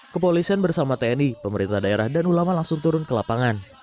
kepolisian bersama tni pemerintah daerah dan ulama langsung turun ke lapangan